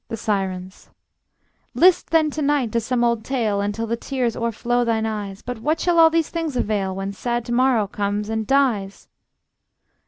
The Sirens: List then, to night, to some old tale Until the tears o'erflow thine eyes; But what shall all these things avail, When sad to morrow comes and dies?